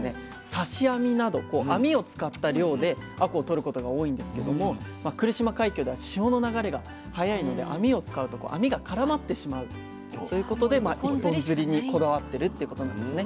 刺し網など網を使った漁であこうをとることが多いんですけども来島海峡では潮の流れが速いので網を使うと網が絡まってしまうそういうことで一本釣りにこだわってるっていうことなんですね。